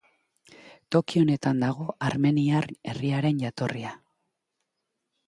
Toki honetan dago armeniar herriaren jatorria.